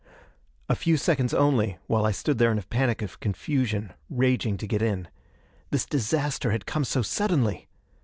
A few seconds only, while I stood there in a panic of confusion, raging to get in. This disaster had come so suddenly!